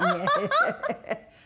ハハハハ。